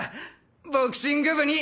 ボクシング部に。